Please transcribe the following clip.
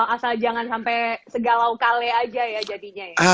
asal jangan sampai segala kale aja ya jadinya ya